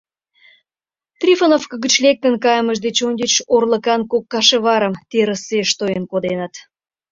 Трифоновко гыч лектын кайымышт деч ончыч орлыкан кок кашеварым терысеш тоен коденыт.